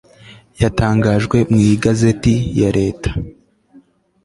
yatangajwe mu igazeti ya leta